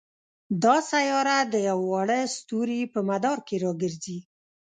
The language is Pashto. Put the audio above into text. دا سیاره د یوه واړه ستوري په مدار کې را ګرځي.